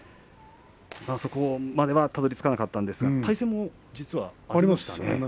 そこまではたどり着かなかったんですが対戦も実はありますよね。